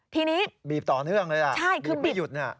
ทีนี้บีบต่อเนื่องเลยล่ะบีบไม่หยุดเนี่ย